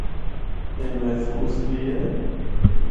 اے محفوظ بھی اے۔